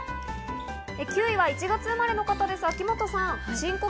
９位は１月生まれの方です、秋元さん。